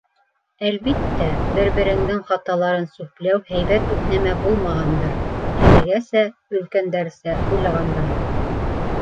Әлбиттә, бер-береңдең хаталарын сүпләү һәйбәт үк нәмә булмағандыр - әлегесә, өлкәндәрсә уйлағанда.